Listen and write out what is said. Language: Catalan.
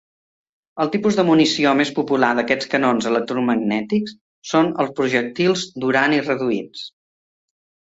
El tipus de munició més popular d'aquests canons electromagnètics són els projectils d'urani reduïts.